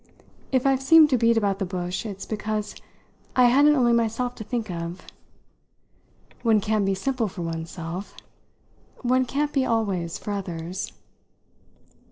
If I've seemed to beat about the bush it's because I hadn't only myself to think of. One can be simple for one's self one can't be, always, for others."